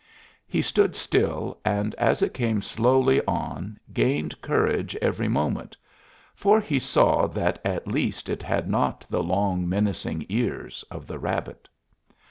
He stood still and as it came slowly on gained courage every moment, for he saw that at least it had not the long, menacing ears of the rabbit.